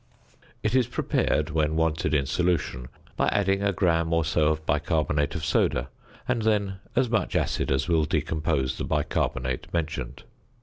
It is prepared when wanted in solution, by adding a gram or so of bicarbonate of soda and then as much acid as will decompose the bicarbonate mentioned.